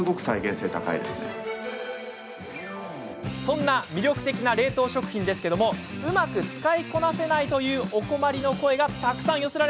そんな魅力的な冷凍食品ですがうまく使いこなせないというお困りの声がたくさん。